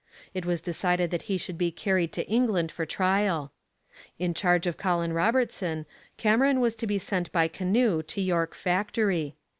It was decided that he should be carried to England for trial. In charge of Colin Robertson, Cameron was sent by canoe to York Factory.